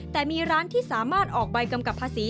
แต่มีร้านที่สามารถออกใบกำกับภาษี